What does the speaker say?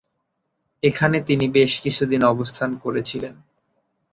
এখানে তিনি বেশ কিছুদিন অবস্থান করেছিলেন।